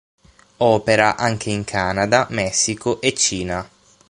Opera anche in Canada, Messico e Cina.